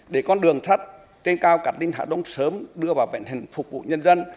để con đường thắt trên cao cát linh hạ đông sớm đưa vào vẹn hình phục vụ nhân dân